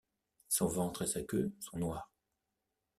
Son ventre et sa queue sont noirs.